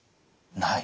ない？